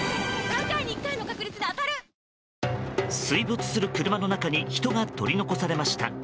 水没する車の中に人が取り残されました。